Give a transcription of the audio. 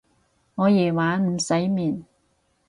我夜晚唔使面